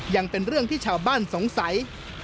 ยังเป็นเรื่องที่ชาวบ้านสงสัย